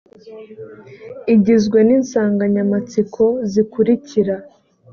igizwe n insanganyamatsiko zikurikira